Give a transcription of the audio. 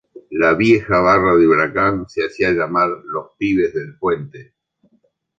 La vieja barra de Huracán se hacía llamar "Los Pibes del Puente".